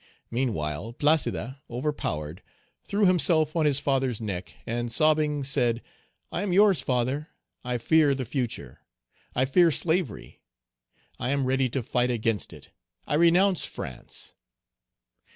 Meanwhile Placide, overpowered, threw himself on his father's neck, and sobbing, said, "I am yours, father; I fear the future; I fear slavery; I am ready to fight against it; I renounce France."